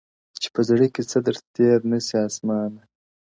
چي په زړه کي څه در تېر نه سي آسمانه.!